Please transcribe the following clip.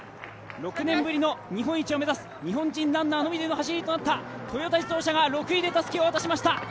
６年ぶりの日本一を目指す、日本人ランナーのみでの走りとなったトヨタ自動車が６位でたすきを渡しました。